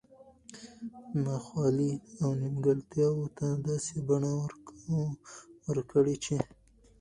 نا خوالي او نیمګړتیاوو ته داسي بڼه ورکړي چې